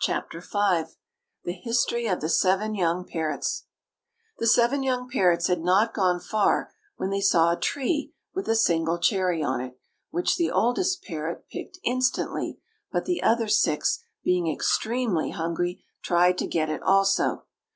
CHAPTER V THE HISTORY OF THE SEVEN YOUNG PARROTS The seven young parrots had not gone far when they saw a tree with a single cherry on it, which the oldest parrot picked instantly; but the other six, being extremely hungry, tried to get it also.